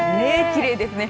きれいですね。